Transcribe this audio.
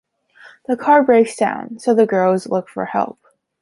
The car breaks down, so the girls look for help.